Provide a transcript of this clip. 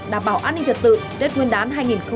đảm bảo an ninh trật tự đến nguyên đán hai nghìn hai mươi hai